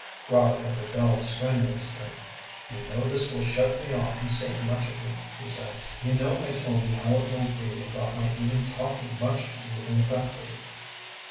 Robert had rebelled strenuously. "You know this will shut me off from seeing much of you," he said. "You know I told you how it will be about my even talking much to you in the factory."